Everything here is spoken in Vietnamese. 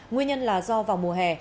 nguyên nhân là do vào mùa hè